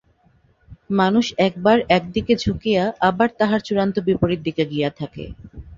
মানুষ একবার একদিকে ঝুঁকিয়া আবার তাহার চূড়ান্ত বিপরীত দিকে গিয়া থাকে।